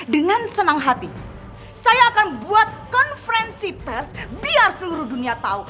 dengan senang hati saya akan buat konferensi pers biar seluruh dunia tahu